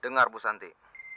dengar bu santi